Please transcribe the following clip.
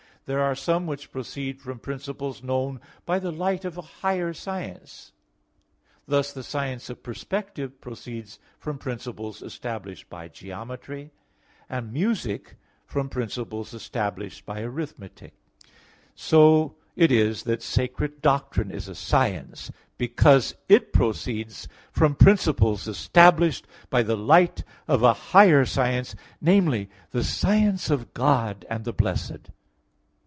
There are some which proceed from principles known by the light of a higher science: thus the science of perspective proceeds from principles established by geometry, and music from principles established by arithmetic. So it is that sacred doctrine is a science because it proceeds from principles established by the light of a higher science, namely, the science of God and the blessed.